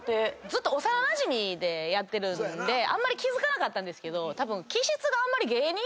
ずっと幼なじみでやってるんであんまり気付かなかったんですけどたぶん。